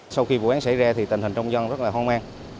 sau khi vụ án xảy ra thì tình hình trong dân rất là hoang mang